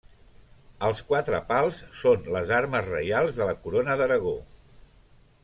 Els quatre pals són les armes reials de la Corona d'Aragó.